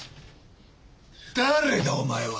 誰だお前は！？